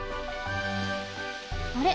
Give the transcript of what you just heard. あれ？